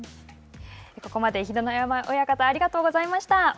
ここまで秀ノ山親方ありがとうございました。